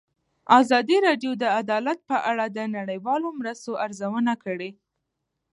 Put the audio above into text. ازادي راډیو د عدالت په اړه د نړیوالو مرستو ارزونه کړې.